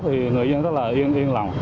thì người dân rất là yên lòng